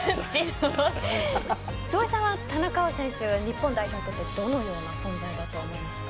坪井さんは田中碧選手日本代表にとってどのような存在だと思いますか。